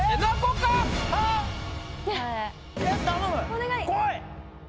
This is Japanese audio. お願い。